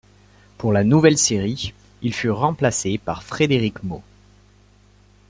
Pour la nouvelle série, il fut remplacé par Frédéric Meaux.